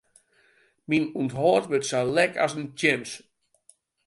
Myn ûnthâld wurdt sa lek as in tjems.